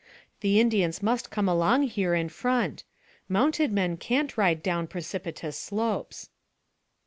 The Indians must come along here in front. Mounted men can't ride down precipitous slopes."